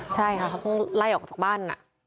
ใช่ค่ะเขาต้องไล่ออกจากบ้าน